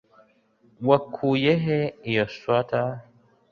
Wakuye he iyo swater?